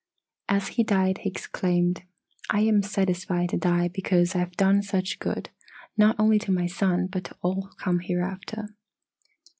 As he died, he exclaimed: 'I am satisfied to die because I have done such good, not only to my son but to all who come hereafter.